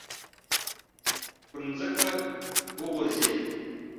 پر ځمکه وغورځېد.